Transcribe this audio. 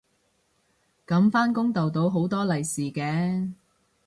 噉返工逗到好多利是嘅